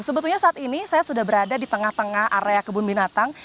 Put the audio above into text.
sebetulnya saat ini saya sudah berada di tengah tengah area kebun binatang